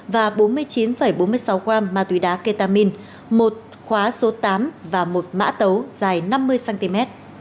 và bốn mươi chín bốn mươi sáu gram ma túy đá ketamin một khóa số tám và một mã tấu dài năm mươi cm